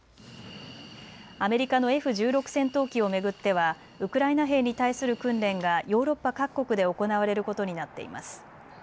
アメリカのＦ１６戦闘機を巡ってはウクライナ兵に対する訓練がヨーロッパ各国で行われることになっています。